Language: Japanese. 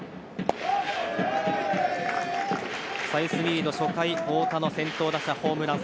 サイスニード、初回太田の先頭打者ホームラン。